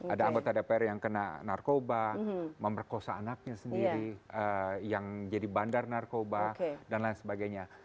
ada anggota dpr yang kena narkoba memperkosa anaknya sendiri yang jadi bandar narkoba dan lain sebagainya